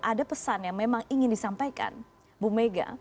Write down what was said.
ada pesan yang memang ingin disampaikan bu mega